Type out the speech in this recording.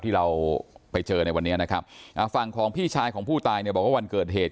ที่เราไปเจอในวันนี้นะครับอ่าฝั่งของพี่ชายของผู้ตายเนี่ยบอกว่าวันเกิดเหตุ